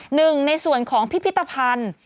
หนึ่งในส่วนของพิพิธภัณฑ์